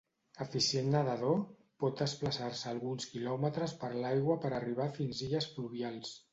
Eficient nedador, pot desplaçar-se alguns quilòmetres per l'aigua per arribar fins illes fluvials.